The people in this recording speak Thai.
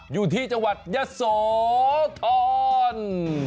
อยู่ที่จังหวัดยะโสธร